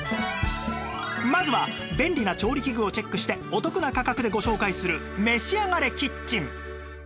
まずは便利な調理器具をチェックしてお得な価格でご紹介するめしあがれキッチン